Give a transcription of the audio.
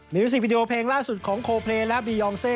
มิวสิกวิดีโอเพลงล่าสุดของโคเพลย์และบียองเซ